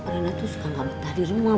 reina tuh suka gak betah di rumah